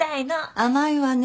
甘いわね。